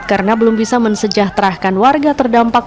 karena belum bisa mensejahterahkan warga terdampak